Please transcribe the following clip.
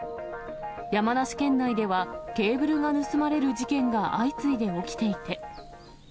山梨県内ではケーブルが盗まれる事件が相次いで起きていて。